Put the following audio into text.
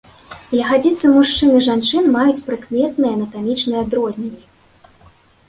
Ягадзіцы мужчын і жанчын маюць прыкметныя анатамічныя адрозненні.